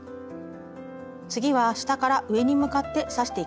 次は下から上に向かって刺していきます。